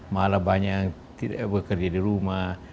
malah banyak yang tidak bekerja di rumah